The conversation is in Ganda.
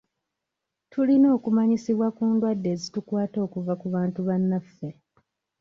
Tulina okumanyisibwa ku ndwadde ezitukwata okuva ku bantu bannaffe.